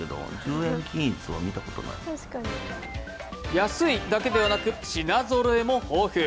安いだけではなく、品ぞろえも豊富。